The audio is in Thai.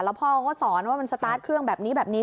แล้วพ่อก็สอนว่ามันสตาร์ทเครื่องแบบนี้แบบนี้